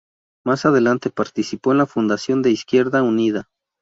Más adelante participó en la fundación de Izquierda Unida.